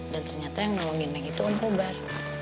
dan ternyata yang nolongin neng itu om kobar